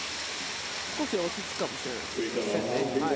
少し落ち着くかもしれないです。